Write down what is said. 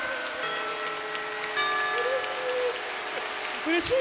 うれしい！